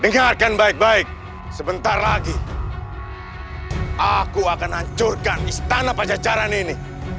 dengarkan baik baik sebentar lagi aku akan hancurkan istana pajajaran ini